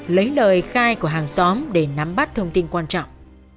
lấy lời khai của hàng xóm để nắm bắt thông tin quan trọng